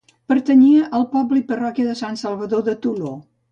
Pertanyia al poble i parròquia de Sant Salvador de Toló.